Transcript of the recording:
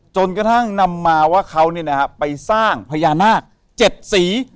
จนกระทั่งนำมาว่าเขาเนี่ยนะครับไปสร้างพญานาคเจ็ดสี